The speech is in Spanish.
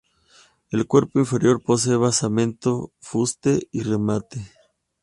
El cuerpo inferior posee basamento, fuste y remate.